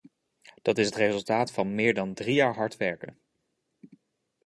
Dat is het resultaat van meer dan drie jaar hard werken.